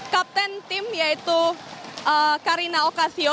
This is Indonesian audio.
kapten tim yaitu karina okasio